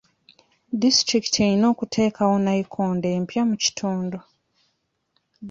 Disitulikiti erina okuteekawo nayikondo empya mu kitundu.